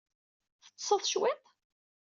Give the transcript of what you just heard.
Teṭṣeḍ cwiṭ?